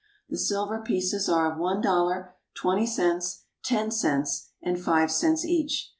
The silver pieces are of one dollar, twenty cents, ten cents, and five cents each.